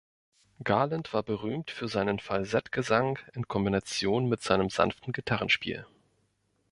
Garland war berühmt für seinen Falsettgesang in Kombination mit seinem sanften Gitarrenspiel.